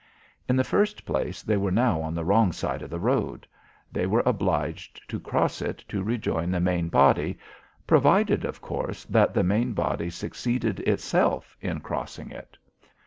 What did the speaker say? In the first place, they were now on the wrong side of the road. They were obliged to cross it to rejoin the main body, provided of course that the main body succeeded itself in crossing it.